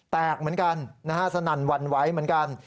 แตกเหมือนกันสนั่นวรรณไว้เหมือนกัน